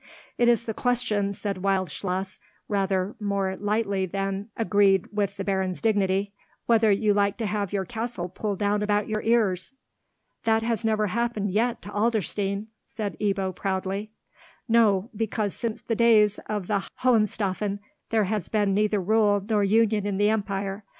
"It is the question," said Wildschloss, rather more lightly than agreed with the Baron's dignity, "whether you like to have your castle pulled down about your ears." "That has never happened yet to Adlerstein!" said Ebbo, proudly. "No, because since the days of the Hohenstaufen there has been neither rule nor union in the empire.